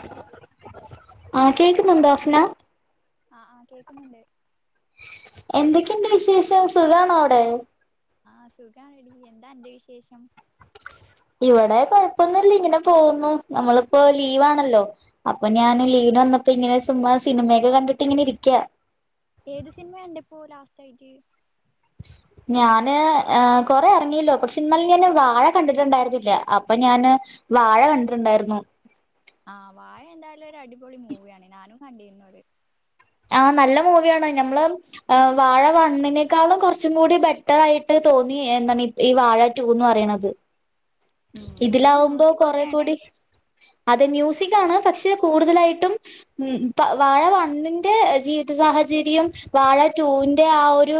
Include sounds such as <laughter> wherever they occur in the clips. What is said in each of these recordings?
Hello കേൾക്കുന്നുണ്ടോ അഫ്ന ആആ കേക്കുന്നുണ്ട് എന്തൊക്കെയുണ്ട് വിശേഷം സുഖാണോ അവിടെ ആഹ സുഖടി എന്താ അന്റെ വിശേഷം? ഇവിടെ കുഴപ്പൊന്നല്ല ഇങ്ങനെ പോകുന്നു നമ്മളിപ്പോ ലീവണല്ലോ അപ്പൊ ഞാൻ ആ ലീവിന് വന്നപ്പോ ഇങ്ങനെ സിനിമ സിനിമയൊക്കെ കണ്ടിട്ട് ഇങ്ങനെ ഇരിക്കാ ഏത് സിനിമ കണ്ടേ ഇപ്പോ ലാസ്റ്റ് ആയിട്ട് ഞാന് കൊറെ ഇറങ്ങല്ലോ പക്ഷെ എന്നന്നലെ ഞാന് വാഴ കണ്ടിട്ടുണ്ടായിരുന്നില്ല അപ്പൊ ഞാന് വാഴ കണ്ടിട്ടുണ്ടായിരുന്നു ആഹ് വായ എന്തായാലും ഒരു അടിപൊളി മൂവിയാണ് ഞാനും കണ്ടിരുന്നുത് ആഹ് നല്ല മൂവിയാണ് ഞമ്മള് വാഴ വണ്ണിനേക്കാളും കുറച്ചും കൂടി ബെറ്റർ ആയിട്ട് തോന്നി എന്താണ് ഈ ഈ വാഴ ടൂന്ന് പറയണത് ഉം ഫുള്ള് മ്യൂസിക് ഒക്കെണ് അത് മ്യൂസിക് ആണ് പക്ഷെ കൂടുതലായിട്ടും ഉം വാഴ ടൂവിന്റെ ആ ഒരു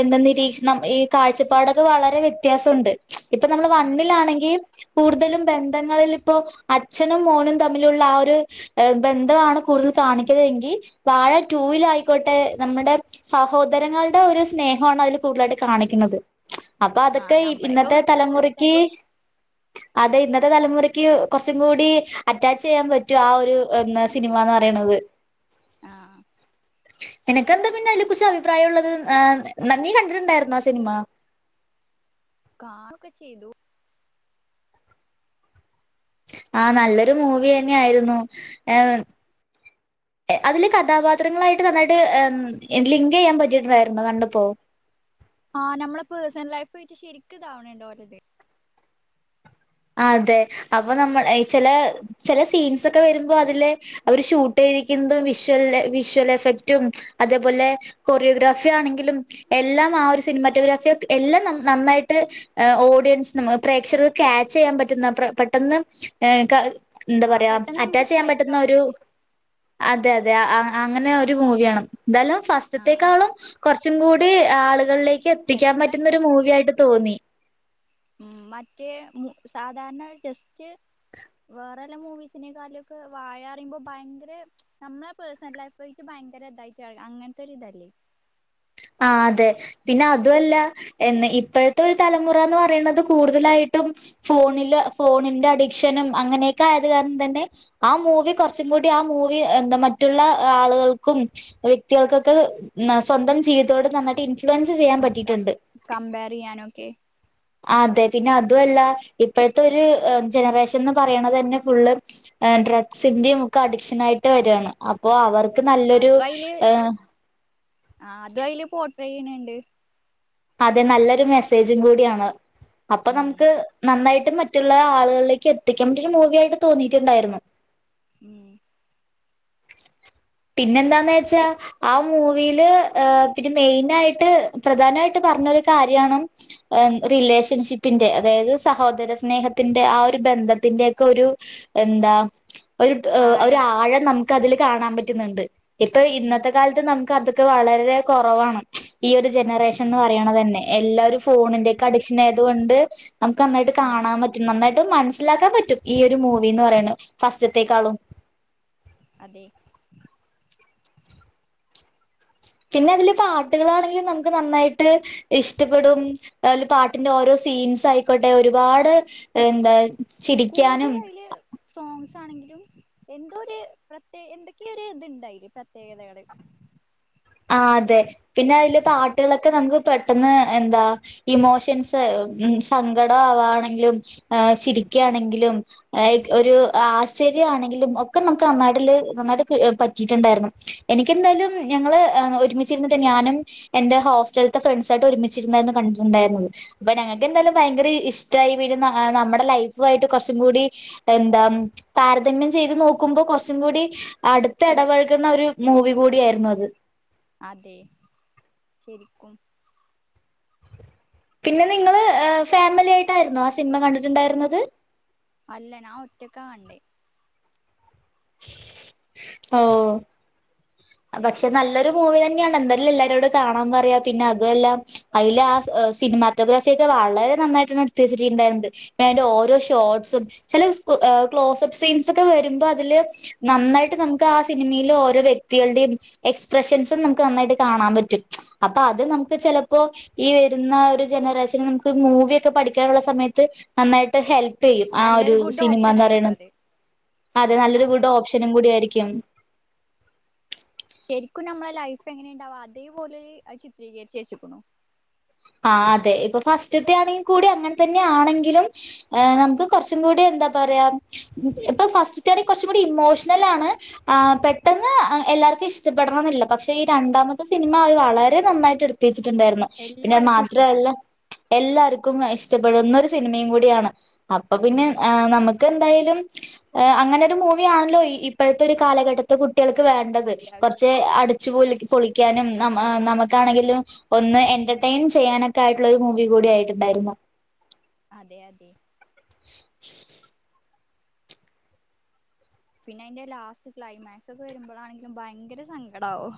എന്താ നിരീക്ഷണം ഈ കാഴ്ചപ്പാടൊക്കെ വളരെ്യ വ്യത്യാസണ്ട് ഇപ്പ നമ്മൾ അതെ അതെ വണ്ണിലാണെ കൂടുതലും ബന്ധങ്ങളിൽ ഇപ്പോ അച്ഛനും മോനും തമ്മിലുള്ള ആ ഒരു ബന്ധമാണ് കൂടുതൽ കാണിക്കത എങ്കിൽ വാഴ ടൂവിൽ ആായിക്കോട്ടെ നമ്മുടെ സഹോദരങ്ങളുടെ ഒരു സ്നേഹ അതില് കൂടുതലായിട്ട് കാണിക്കുന്നത് അപ്പൊ ആ അതൊക്കെ നമ്മളെയൊക്കെ ഇന്നത്തെ വീട്ടത്തെ പോലെ തലമുറക്ക് തന്നെ അത ഇന്നത്തെ തലമുറക്ക് കുറച്ചും കൂടി അറ്റാച്ച് ചെയ്യാൻ പറ്റും ആ ഒരു സിനിമ എന്ന് പറയ ആണത് ആഹ് എനക്ക്ന്താ പിന്നെ അതിതിനെ കുറച്ച് അഭിപ്രായം ഉള്ളത് ന്നീ കണ്ടിട്ടുണ്ടായിരുന്ന ആ സിനിമ കാക്ക ചെയ്തു. ആഹ നല്ലൊരു മൂവി തന്നെ ആയിരുന്നു. എ അതില് കഥാപാത്രങ്ങളായിട്ട് നന്നായിട്ട് ലിങ്ക് ചെയ്യാൻ പറ്റിയിട്ടുണ്ടായിരുന്നു. കണ്ടപ്പോ? ആഹ നമ്മള് പേഴ്സണൽ പോയിട്ട് ശരിക്കും ഇതാവണണ്ടോഓലത്. അതെ അപ്പൊ നമ്മൾ ചില ചില സീൻസ്ക്കെ വരുമ്പോ അതില് അവര് ഷൂട്ട്. <unintelligible> വിഷ്വൽ വിഷ്വൽ എഫ്ഫക്ട്ടും അതേപോലെ കൊറിയോ ഗ്രാഫിയആണെങ്കിലും. എ എല്ല മാ സിനിമ റ്റൊഗ്ര ഫി എല്ലാ നന്നായിട്ട് ഒടിയൻസ് പ്രേഷകർ ക് കേ ചെയ്യാൻ പറ്റുന്ന പെട്ടെന്ന് ഏ കേ എന്താ ആ പറയാ പെട്ടെന്ന് നമുക്ക് അറ്റാച്ച് ചെയ്യാൻ സ്ട്രൈക്ക് പറ്റുന്ന ആവും ഒരു ഒക്കെ അതെ അതെ അങ്ങനെ ഒരു മൂവിയാണ്. എന്തായാലും ആ ആ ഫസ്റ്റത്തേക്കാളും കുറച്ച് കുറച്ചും കൂടി ആളുകളിലേ ബെറ്ററായിട്ട ഉ മറ്റേ മു സാധാരണ ജെസ്റ്റ്. വേറെല്ലാം മൂവിസിനെ കല്ഒകൊ വാഴ അറുമ്പോ ഭയങ്കര നമ്മുടെ പേഴ്സണൽ ലൈഫയിട്ട് ഭയങ്കര <unintelligible> ഇതായിട്ട് അങ്ങനത്തെൊ ഒരു ഇതല്ലേ ആ അതെ പിന്നെ അതുല്ല എ ഇപ്പോഴത്തെ ഒരു തലമുറ എന്ന് പറയുന്നത്. കൂടുതലായിട്ട് പം ഫോണി ഫോണിന്റെ അഡിക്ഷനും അങ്ങനക്കെയ കാരണം തന്നെ ആ മൂവി കൊർച് കൂടി ആ മൂവി എത മറ്റുള്ള ആളുകൾക്കും വ്യക്തികൾക്കൊക്കെ സ്വന്തം ജീവി തത്തോട് നന്നായിട്ട് ഉം കമ്പർ ചെയ്യാനൊക്കെ. അതെ പിന്നെ അതുല്ല ഇപ്പോഴത്തെ ഒരു ജനറേഷൻ എന്ന് പറയണ തന്നെ ഫുള്ള്. ഡ്രഗ്സിന്റിം ഒക്ക അഡിക്ഷൻ ആയിട്ട് വരയാണ്. അപ്പോ അവർ നല്ലൊരു അതും അയില് ഹ ആ അത് അല് പോട്ട്ര ചെയ്യണണ്ട്. അതെ നല്ലൊരു മെസ്സേജും കൂടിയാണ്. അപ്പൊ നമുക്ക് ഉം നന്നായി മറ്റുള്ള ആളുകളിലേക്ക് എത്തിക്കാൻ. മൂവ്യായിട്ട് തോന്നിട്ടുണ്ടായിരുന്നു. <inaudible> പിന്നെന്താന്ന് വെച്ചാ ആ മൂവിയില് പിന്നെ മെയിൻ ആയിട്ട്. പ്രധാനമായിട്ട് പറ പറഞ്ഞ കാര്യ റിലേഷൻഷിപ്പിന്റെ അതായത് സഹോദര സ്നേഹത്തി ആ ഒരു ബന്ധത്തിന്റെക്കെ ഒരു എന്താ. ഒരു ഒരു ആഴം നമുക്ക് അതിൽ കാണാൻ പറ്റുന്നുണ്ട്. ഇപ്പൊ ഉം ഇന്നത്തെ കാലത്ത് നമുക്ക് അത്ര വളരെ കുറവാണ്. ഈ ഒരു ജനറേഷൻ എന്ന് പറയണ തന്നെ എല്ലാവരും ഫോണിന്റെറെ ഒക്കെ ഫുള്ള് അഡിക്ഷൻ ആയതുകൊണ്ട്. നമുക്ക് നന്നായിട് ഉം കാണൻപറ്റും നന്നടയി മനസ്സിലാക്കാൻ പറ്റും ഈയ ഒരു മൂവിന്ന് പറയ്യ്ണ് ഫസ്റ്റത്തേക്കാളും. അതെ. പിന്നെ അതില് പാട്ടുകളാണെങ്കിൽ നമുക്ക് നന്നായിട്ട് ഇഷ്ട്പ്പെടും. അല് പാട്ടിന്റെ ഓരോ സീൻസ് ആയിക്കോട്ടെ ഒരുപാട് എന്താ കൂടുതൽ ചിരിക്കാനും അതില് സോസ്. ആണെങ്കിലും എന്തോ ഒരു പ്രത്യ എന്തൊക്കെയ ഒരു ഇത്ണ്ടായില് പ്രത്യേകതകള്. ആ അതെ പിന്നെ അതിലെ പാട്ടുകളൊക്കെ നമുക്ക് പെട്ടെന്ന് എന്താ ഇമോഷൻസ് സങ്കടം ആവാണെങ്കിലും. ചി ആണെങ്കിലും ഒരു ആശ്ചര്യം ആണെങ്കിലും ഒക്കെ നമുക്ക് നാട്ടില് നനയി പററിണ്ടായിരുന്നു. എനിക്കെന്തായാലും ഞങ്ങള്. ഒരുമിച്ചിരുന്നിട്ട് ഞാനും എന്റെ ഹോസ്റ്റലത്തെ ഫ്രണ്ട്സ ആയിട്ട് ഒരുമിച്ചിരുന്നായിരുന്നു. കണ്ടിട്ടുണ്ടായിരുന്നത്. അപ്പ എന്തായാലും ഭയങ്കര ഇഷ്ടയി. പിന്നെ നമ്മുടെ ലൈഫയിട്ട് കുറച്ചും കൂടി എന്താ ത താരതമ്യം ചെയ്ത് നോക്കുമ്പോ കുറച്ചും കൂടി അടുത്ത ബെ ഇടപഴകുന്ന ഒരു മൂവി കൂടി ആയിരുന്നു. അത്. അതെ ശരിക്കും. പിന്നെ നിങ്ങളള് ഫാമിലി ആയിട്ടായിരുന്നോ ആ സിനിമ കണ്ടിട്ടുണ്ടായിരുന്നത്. അല്ല ഞാൻ ഒറ്റക്ക കണ്ടത്. ഓ അ പക്ഷെ നല്ലൊരു മൂവി തന്നെയാണ് എന്തായല്ലും എല്ലാരോട് കാണാപറയാ പിന്നെ അതു വല്ല അയിലാ സിനിമാറ്റോഗ്രാഫി ഒക്കെ വളരെ നന്നായിട്ടാണ് <unintelligible> ണ്ടായിണ്ട് പിന്ന അതിന്റെ ഓരോ ഷോർട്സും ചില കേ ആ ക്ലോസ്പ്പ് സീൻസ് ഒക്കെ വരുമ്പോൾ അതില് നന്നായിട്ട് നമുക്ക് ആ സിനിമയിൽ ഓരോ വ്യക് വ്യക്തികളുടെ എക്സ്പ്രഷൻസും നമുക്ക് നന്നായിട്ട് കാണാൻ പറ്റും അപ്പൊ അത് നമുക്ക് ചിലപ്പോ ഈ വരുന്ന ഒരു ജനറേഷന് നമുക്ക് മൂവിയൊക്കെ പഠിക്കാനുള്ള സമയത്ത് നന്നായിട്ട് ഹെൽപ് പ്പ്ചെയ്യും ആ ഒരു നല്ലൊരു ഗുഡ് ഓപ്ഷൻ സിനിമന്ന്റയണ ആയിരിക്കും അത് ആ അതെ അത് നല്ലൊരു കൂടെ ഓപ്ഷൻ ഓപ്ഷനും കൂടി ആക്കാ ആയിരിക്കും ശരിക്കും നമ്മളെ ലൈഫ് എങ്ങനെുണ്ടാവും അതേപോലെ ചിത്രീകരിച്ച വച്ചക്കണു ആ അതെ ഇപ്പൊ ഫസ്റ്റത്തെ ആണെങ്കിൽ കൂടി അങ്ങനെ തന്നെ ആണെങ്കിലും നമുക്ക് കുറച്ചും കൂടി എന്ത തോരയാ മ് ഇപ്പം ഫസ്‌റ്റി ത്തെയാണെങ്കി കൊറച്ചും കൂടി ഇമോണൽ ആണ് ആ പെട്ടന്ന് അ എന്ത് എല്ലാവർക്കും ഇഷ്ടപ്പെടണംമെന്നില്ല പക്ഷെ ഈ രണ്ടാമത്തെ സിനിമ അവ വളരെ നന്നായിട്ട് എടുത്തിച്ച ണ്ടായി പിന്നെ അത് എല്ലാർക്കും മാത്രല്ല ഇഷ്ടപ്പെടും എല്ലാരിക് ക്കും ഇഷ്ടപ്പെടുന്ന ഒരു സിനിമയും കൂടിയാണ് അപ്പൊ പിന്നെ ഉം. ആ നമുക്ക് എന്തായാലും ആ അങ്ങനെ ഒരു മൂവി ആണല്ലോ ഇപ്പോഴത്തെ ഒരു കാലഘട്ടത്തെ കുട്ട് കുട്ടികൾക്ക് വേണ്ടത് അത്യാവശ്യം കുറച്ച് അടിച്ചു പൊലിക്ക് പൊളിക് ക്കാനും നമ ആ നമുക്കാണെങ്കിലും ഒന്ന് എൻ്റർ ടൈം ചെയ്യാനൊക്കെ ആയിട്ടുള്ളൊ ഒരു മൂവി കൂടി ആയിട്ടുണ്ടായിരുന്നു അതെ അതെ <unintelligible> പിന്നെ അതിന്റെ ലാസ്റ്റ് ക്ലൈമാക്സ് ഒക്കെ വരുമ്പോഴാണെങ്കിലും ഭയങ്കര സങ്കടമാവോ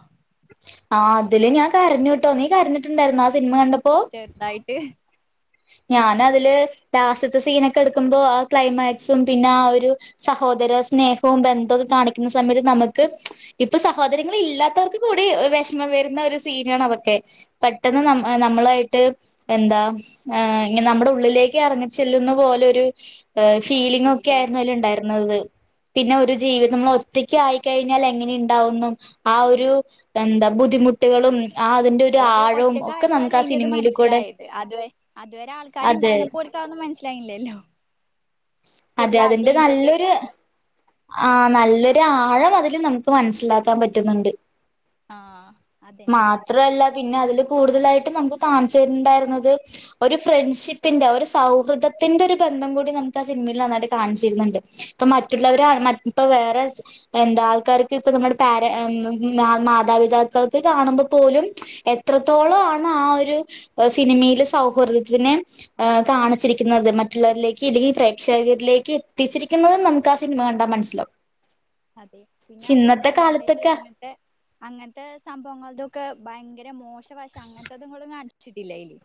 ആഹ് അതില് ഞാൻ കരഞ്ഞുൂട്ടോ നീ കരഞ്ഞിട്ടുണ്ടായിരുന്നു ആ സിനിമ കണ്ട ചെറുതായിട്ട് ഞാന അതില് ലാസത്തെ സീനൊക്കെ എടുക്കുമ്പോ ആ ക്ലൈമാക്സും പിന്നെ ആ ഒരു സഹ് സഹോദര സ്നേഹവും ബന്ധവുംക്കെ കാണിക്കുന്ന സമയത്ത് നമുക്ക് ഇപ്പൊ സഹോദരങ്ങൾ ഇല്ലാത്തവർക്ക് കൂടി വിഷമം വരുന്ന ഒരു സീന ആണ് അതെക്കെ പെട്ടെന്ന് നമ്മ നമ്മളായിട്ട് എന്താ ആ ഇങ്ങ നമ്മുടെ ഉള്ളിലേക്ക് ഇറങ്ങിച്ചെല്ലുന്ന പോലെ ഒരു ഫീലിംഗ് ഫീൽ ഒക്കെ ആയിരുന്നു വരും അതില് ഉണ്ടായിരുന്നത് പിന്നെ ഒരു ജീവിതങ്ങളേത് റ്റക്ക് ആയിക്കഴിഞ്ഞാൽ എങ്ങനെുണ്ടാവെന്നും ആ ഒരു എന്താ ബുദ്ധിമുട്ടുകളും ആ അതിന്റെ ഒരു ആഴവും ഒക്കെ നമുക്ക് ഒറ്റകായപ്പോഴല്ല ആ അതിൻ്റെ അത് സിനിമയിൽ കൂടെ മനസ്സിലായത് അത് അതുവരെ അതെ ആൾക്കാരുണ്ടായിരന്നപ്പോ ഓര്ക്ക് അതൊന്നും മനസ്സിലായില്ലല്ലോ അതെ ഫുള്ള് അടി അതിന്റെ ഇതൊക്കെ നല്ലൊരു ആയിരുന്നല്ലോ ആ നല്ലൊരു ആഴം അതില് നമ്മുക്ക് മനസ്സിലാക്കാൻ പറ്റുന്നുണ്ട് ആ അതന്നെ മാത്രല്ല പിന്നെ അതില് കൂടുതലായിട്ടും നമുക്ക് കാണിച്ചു തരുന്നുണ്ടായിരുന്നത് ഒരു ഫ്രണ്ട്ഷിപ്പിന്റെ ഒരു സൗഹൃദത്തിന്റെ ഒരു ബന്ധം കൂടി നമുക്ക് ആ സിനിമയിൽ നന്നായിട്ട് കാണിച്ചിരുന്നുണ്ട് ഇപ്പൊ മറ്റുള്ളവരെ മ ഇപ്പ വേറെ എന്താ ആൾക്കാർക്ക് ഇപ്പം നമ്മുടെ പേര് മാതാപിതാക്കൾക്ക് കാണുമ്പോ പോലും എത്രത്തോളമാണ് ആ ആ ഒരു സിനിമെല് സൗഹൃദത്തിനേ കാണിച്ചിരിക്കുന്നത് മറ്റുള്ളവരിലേക്ക് ഇല്ലെങ്കി പ്രേക്ഷകരിലേക്ക് എത്തിച്ചിരിക്കുന്നത് നമ്മുക്ക് ആ സിനിമ കണ്ടാൽ മനസ്സിലാവും അതെ പിന്നെ പക്ഷെ അതുമല്ല ഇന്നത്തെ ലഹരി കാലത്തൊക്കെ അങ്ങനത്തെ അങ്ങനത്തെ സംഭവങ്ങൾതൊക്കെ ഭയങ്കര മോശവശം അങ്ങനത്തെതും കൂടെ കാണിച്ചിട്ടില്ല അയില്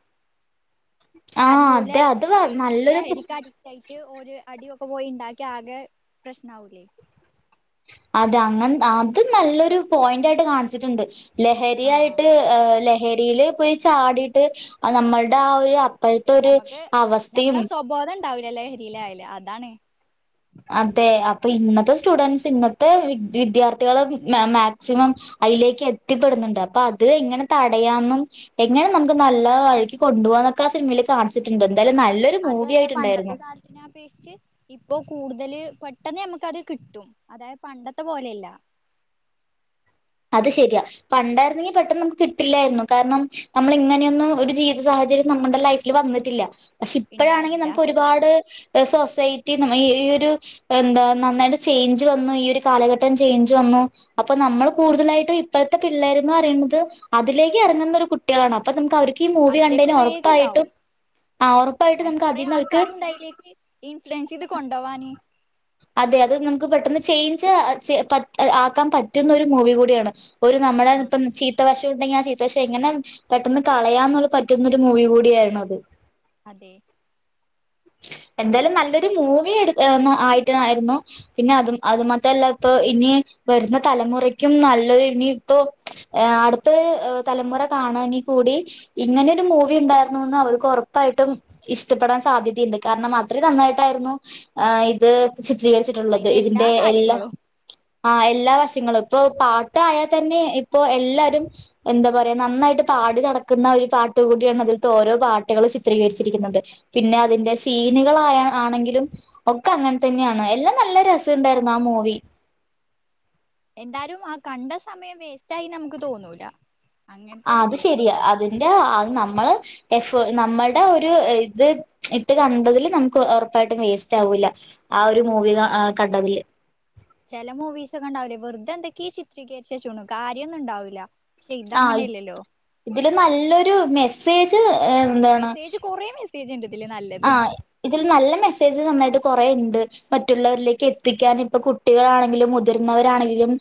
ആ കാരണം ഓലേ അതെ അത് മറ്റേ നല്ലൊരു ലഹരിക്കഡിക്റ്റ് ആയിട്ട് ഓര് അടി യൊക്കെ പോയി ഇണ്ടാക്കി ആകെ പ്രശ്‌നാവൂല്ലേ അതെ അങ്ങനെ അത് നല്ലൊരു പോയിന്റ് ആയിട്ട് കാണിച്ചിട്ടുണ്ട് ലഹരിയായിട്ട് ലഹരില് പോയി ചാടിട്ട് നമ്മൾടെ ആ ഒരു ഇപ്പോഴത്തെ ഒരു അവസ്ഥയും ലഹരിയിൽ ആയിലെ അതാണ് അതെ അപ്പൊ ഇന്നത്തെ സ്റ്റുഡന്റ്സ് ഇന്നത്തെ വി വിദ്യാർത്ഥികൾ മാ മാക്സിമം അയിലേക്ക് എത്തിപ്പെടുന്നുണ്ട് അപ്പൊ അത് എങ്ങനെ തടയാന്നും എങ്ങനെ നമ്മുക്ക് നല്ല വഴിക്ക് കൊണ്ടുപോകാന്നും നമുക്കാ സിനിമലേ കാണിച്ചട്ടോണ്ട് അതുവല്ല പണ്ടത്തെ കാലത്തിനെ അപേക്ഷിച്ച് ഇപ്പൊ കൂടുതൽ പെട്ടെന്ന് നമുക്കത് കിട്ടും അതായത് പണ്ടത്തെ പോലെയല്ല അത് ശരിയാ പണ്ടായിരുന്നെങ്കി പെട്ടെന്ന് നമ്മുക്ക് കിട്ടില്ലായിരുന്നു കാരണം നമ്മള് ഇങ്ങനെയൊന്നും ഒരു ജീവിത സാഹചര്യം നമ്മൾ നമ്മൾടെ ലൈഫി വന്നിട്ടില്ല പക്ഷെ ഇപ്പഴാണെങ്കി ഇണ്ടായിരുന്നില്ല നമ്മുക്ക് ഒരുപാട് സൊസൈറ്റി റ്റി ഈ ഒരു എന്താ നന്നായിട്ട് ചേഞ്ച് വന്നു ഈ ഒരു കാലഘട്ടം ചേഞ്ച് വന്നു അപ്പൊ നമ്മൾ കൂടുതലായിട്ടും ഇപ്പഴത്തെ പിള്ളേരന്ന് പറയുന്നത് അതിലേക്ക് ഇറങ്ങുന്ന ഒരു കുട്ടികളാണ് അപ്പൊ നമ്മുക്ക് അവർ ക്ക് ഈ മൂവി അതിലേക്ക് കണ്ടുകയിഞ്ഞ വേഗം ഉറപ്പായിട്ടും ഇതാവും അയിന് കൊറെ ആൾക്കാരും ഉണ്ടയിലേക്ക് ഇൻഫ്ലുവൻസ് ചെയ്ത് കൊണ്ടോവാന് അതെ അത് നമ്മുക്ക് പെട്ടെന്ന് ചേഞ്ച് ചെ ആക്കാൻ പറ്റുന്ന ഒരു മൂവി കൂടിയാണ് ഒരു നമ്മുടെ ആഹ് ഇപ്പം ചീത്ത വശം ശം ഉണ്ടെങ്കി ആ ചീത്ത വശം എങ്ങനെ പെട്ടെന്ന് കളയാന്നുള്ള പറ്റുന്നൊരു മൂവി കൂടിയായിരുന്നു അത് അതെ എന്താലും നല്ലൊരു മൂവി എടു ആയിട്ട് ആരുന്നു പിന്നെ അതും അത് മാത്രല്ല ഇപ്പൊ ഇനി വരുന്ന തലമുറയ്ക്കും നല്ലൊരു ഇനി ഇപ്പൊ അടുത്ത തലമുറ കാണുവാണി കൂടി ഇങ്ങനൊരു മൂവി ഉണ്ടായിരുന്നുന്ന് അവർക്ക് ഒറപ്പായിട്ടും ഇഷ്ടപ്പെടാൻ സാധ്യതയുണ്ട് കാരണം അത്ര നന്നായിട്ടായിരുന്നു ഇത് ചിത്രീകരിച്ചിട്ടുള്ളത് അയിന്റെ എല്ലാ ഇതിന്റെ എല്ലാ കാര്യങ്ങളും ആ എല്ലാ വശങ്ങളും ഇപ്പൊ പാട്ടയാൽ തന്നെ ഇപ്പൊ എല്ലാരും എന്താ പറയാ നന്നായിട്ട് പാടി നടക്കുന്ന ഒരു പാട്ട് ട്ടുകൂടിയാണ് അതിലത്തെ ഓരോ പാട്ടുകൾ ചിത്രീകരിച്ചിരിക്കുന്നത് പിന്നെ അതിന്റെ സീനുകള് ആയാ ആണെങ്കിലും ഒക്കെ അങ്ങനെ തന്നെയാണ് എല്ലാം നല്ല രസണ്ടായിരുന്നു ആ മൂവി എന്താലും ആ കണ്ട സമയം വേസ്റ്റ് ആയി നമുക്ക് തോന്നൂല ആ അങ്ങനത്തെ അത് ഒരിത് ശരിയാ അത് ൻ്റെ നമ്മള് എഫ്ഫോ നമ്മൾടെ ഒരു ഇത് ഇട്ട് കണ്ടതില് നമ്മുക്ക് ഉറപ്പാ പ്പായിട്ടും വേസ്റ്റ് ആവൂല്ല ആ ഒരു മൂവി കണ്ടതിൽ ചില മൂവീസൊക്കെ ഉണ്ടാവില്ലേ വെറുതെ എന്തൊക്കെയെ ചിത്രീകരിച്ചു വച്ചേക്കണു കാര്യന്നും ഉണ്ടാവില്ല പക്ഷെ ആ ഇതങ്ങനെയല്ലല്ലോ ഇതില് നല്ലൊരു മെസ്സേജ് മെസ്സേജ് കുറെ മെസ്സേജ് ഉണ്ട് ഇതില് നല്ലത് ആ ഇതിൽ നല്ല മെസ്സേജ് നന്നായിട്ട് കുറെ ഉണ്ട് മറ്റുള്ളവരിലേക്ക് എത്തിക്കാൻ ഇപ്പൊ കുട്ടികളാണെങ്കിലും മുതിർന്നവരാണെങ്കിലും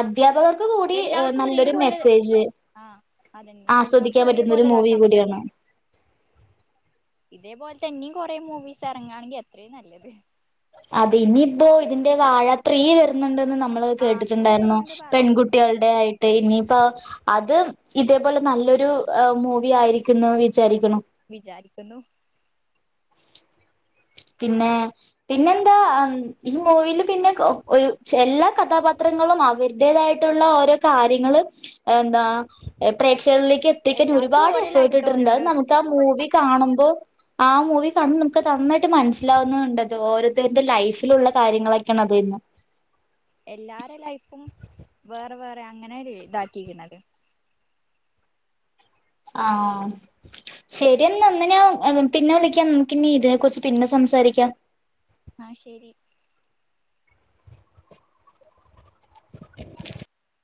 അധ്യാപകർ ത് കൂടി ഏ നല്ലൊരു മെസ്സേജ് ആ അതന്നെ ആസ്വദിക്കാൻ എല്ലാവർക്കും പറ്റുന്ന ഒരു ഒരേപോലെ മൂവി ഇതാക്കാൻ കൂടിയാണ് പറ്റണേ ഇതേപോലെ തന്നെയും കൊറേ മൂവിസ് ഇറങ്ങയാണെങ്കിൽ അത്രയും നല്ലത്. അത് ഇനിയിപ്പോ ഇതിന്റെ വാഴ ത്രീ വരുന്നുണ്ടെന്ന് ന നമ്മള് ആഹ് ത്രീ കേട്ടിട്ടുണ്ടായിരുന്നു. വരുന്നുണ്ട് പറയണ കേട്ടു പെൺകുട്ടികളുടെ ആയിട്ട് ഇനിയിപ്പോ അത് ഇതേപോലെ നല്ലൊരു മൂവി ആയിരിക്കുന്നു വിചാരി വിചാരിക്കുന്നു പിന്നെ പിന്നെന്താ ഈ മൂവില്‌ പിന്നെ കോ ഒരു എല്ലാ കഥാപാത്ര പാത്രങ്ങളും അവരുടേതായിട്ടുള്ള ഓരോ കാര്യങ്ങള് എന്താ പ്രേക്ഷകരിലേക് എത്തിക്കാൻ എല്ലാർക്കും ഒരുപാട് ഓരോ ലൈഫ്ത്തെ എഫേർട്ട്ട്ടുണ്ട് ഓരോരോ നമുക്ക് ആ മൂവി കാണുമ്പോ ആ മൂവി കാണുമ്പോ നമുക്ക് നന്നായിട്ട് മനസ്സിലാവുന്നുണ്ടത് ഓരോരുത്തരുടെ ലൈഫിലുള്ള കാര്യങ്ങളൊക്കെയാണ് അത് ഇന്ന് എല്ലാരെം ലൈഫും വേറെ വേറെ അങ്ങനെയല്ലേ ഇതാക്കിരിക്കണത്. ആ, ശരിയെന്ന അന്ന ഞാൻ പിന്നെ വിളിക്കാം നമുക്ക് ഇനി ഇതെ കുറിച്ച് പിന്നെ സംസാരിക്കാം ആ, ശരി <unintelligible>